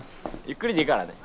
ゆっくりでいいからね。